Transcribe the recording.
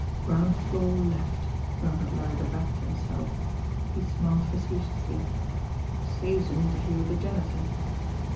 "Ground floor left," murmured Larry the Bat to himself. He smiled facetiously. "Saves an interview with the janitor!"